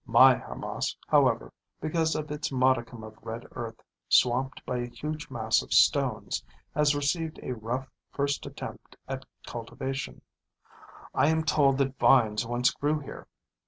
My harmas, however, because of its modicum of red earth swamped by a huge mass of stones, has received a rough first attempt at cultivation: I am told that vines once grew here.